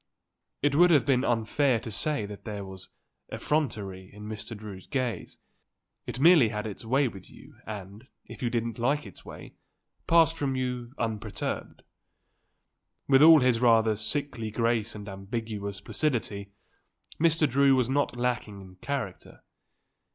It would have been unfair to say that there was effrontery in Mr. Drew's gaze; it merely had its way with you and, if you didn't like its way, passed from you unperturbed. With all his rather sickly grace and ambiguous placidity, Mr. Drew was not lacking in character.